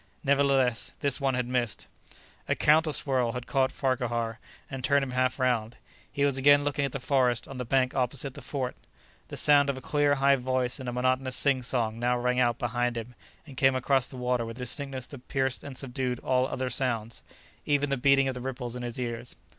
Nevertheless, this one had missed. A counter swirl had caught Farquhar and turned him half round; he was again looking at the forest on the bank opposite the fort. The sound of a clear, high voice in a monotonous singsong now rang out behind him and came across the water with a distinctness that pierced and subdued all other sounds, even the beating of the ripples in his ears.